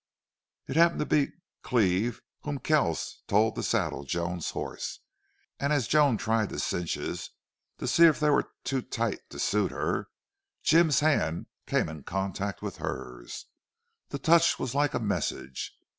It happened to be Cleve whom Kells told to saddle Joan's horse, and as Joan tried the cinches, to see if they were too tight to suit her, Jim's hand came in contact with hers. That touch was like a message.